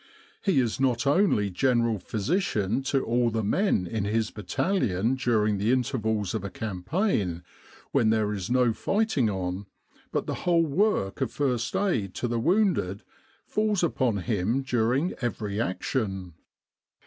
He is not only general physician to all the men in his battalion during the intervals of a campaign when there is no fighting on, but the whole work of first aid to the wounded falls upon him during every action.